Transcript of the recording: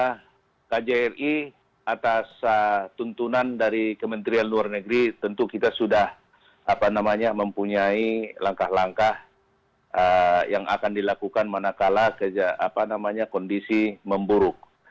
ketika kjri atas tuntunan dari kementerian luar negeri tentu kita sudah apa namanya mempunyai langkah langkah yang akan dilakukan manakala apa namanya kondisi memburuk